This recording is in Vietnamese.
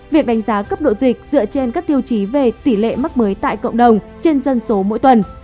việc đánh giá cấp độ dịch dựa trên các tiêu chí về tỷ lệ mắc mới tại cộng đồng trên dân số mỗi tuần